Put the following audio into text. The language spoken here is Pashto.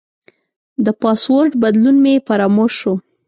د پاسورډ بدلون مې فراموش شو.